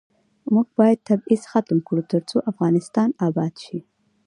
موږ باید تبعیض ختم کړو ، ترڅو افغانستان اباد شي.